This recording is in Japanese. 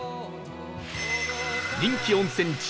人気温泉地